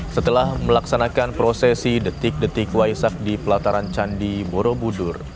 setelah melaksanakan prosesi detik detik waisak di pelataran candi borobudur